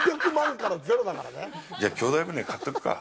じゃあ「兄弟船」、買っとくか。